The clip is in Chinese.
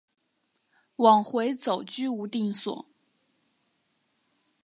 往回走居无定所